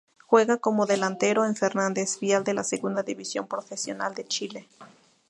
Juega como Delantero en Fernández Vial de la Segunda División Profesional de Chile.